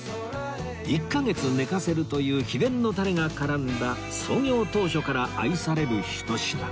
１カ月寝かせるという秘伝のタレが絡んだ創業当初から愛されるひと品